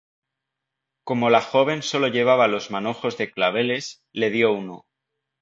Como la joven sólo llevaba los manojos de claveles, le dio uno.